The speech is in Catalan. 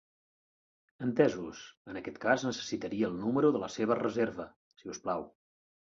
Entesos, en aquest cas necessitaria el número de la reserva, si us plau.